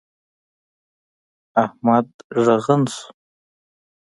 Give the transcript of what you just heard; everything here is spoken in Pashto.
احمد ږغن شو.